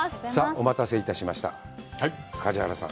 お待たせいたしました、梶原さん。